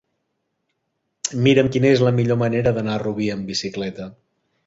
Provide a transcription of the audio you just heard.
Mira'm quina és la millor manera d'anar a Rubí amb bicicleta.